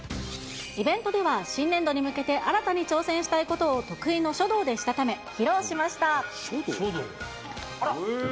イベントでは新年度に向けて、新たに挑戦したいことを得意の書道でしたため、披露しました。